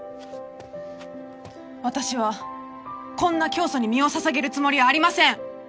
私はこんな教祖に身を捧げるつもりはありません！